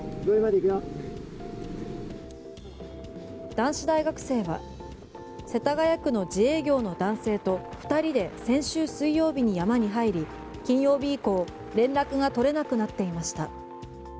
男子大学生は世田谷区の自営業の男性と２人で先週水曜日に山に入り金曜日以降連絡が取れなくなっていました。